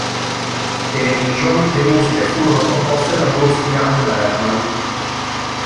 Television Le musiche furono composte da Bruce Young Berman.